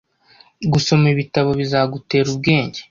Gusoma ibitabo bizagutera ubwenge.